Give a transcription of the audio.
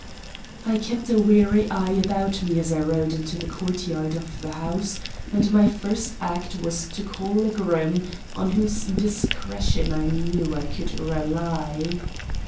I kept a wary eye about me as I rode into the courtyard of the house, and my first act was to call a groom on whose discretion I knew I could rely.